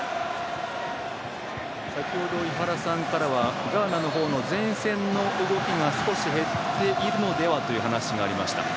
先ほど井原さんからはガーナの方の前線の動きが少し減っているのではという話がありました。